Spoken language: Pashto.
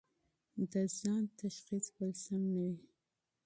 د ځان تشخیص تل سم نه وي.